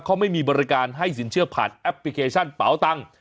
เขาไม่มีบริการให้สินเชื่อผ่านแอปพลิเคชันเป๋าตังค์